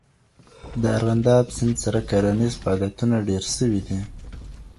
د ارغنداب سیند سره کرنیز فعالیتونه ډېر سوي دي.